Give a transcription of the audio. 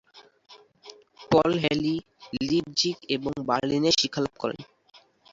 পল Halley, Leipzig এবং বার্লিনে শিক্ষালাভ করেন।